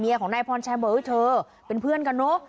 ของนายพรชัยบอกเฮ้ยเธอเป็นเพื่อนกันเนอะ